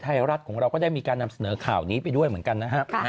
ไทยรัฐของเราก็ได้มีการนำเสนอข่าวนี้ไปด้วยเหมือนกันนะครับ